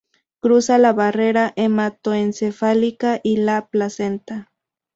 Cruza la barrera hematoencefálica y la placenta.